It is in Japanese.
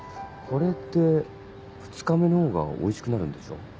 カレーって２日目のほうがおいしくなるんでしょ？